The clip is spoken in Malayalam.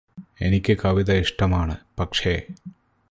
എനിക്ക് കവിത ഇഷ്ടമാണ് പക്ഷേ